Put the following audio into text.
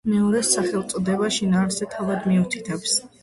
მეორის სახელწოდება შინაარსზე თავად მიუთითებს.